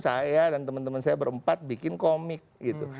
saya dan teman teman saya berempat bikin komik gitu